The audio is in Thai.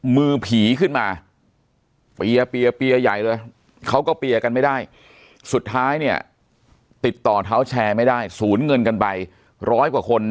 มือผีขึ้นมาเปียเปียเปียใหญ่เลยเขาก็เปียร์กันไม่ได้สุดท้ายเนี่ยติดต่อเท้าแชร์ไม่ได้สูญเงินกันไปร้อยกว่าคน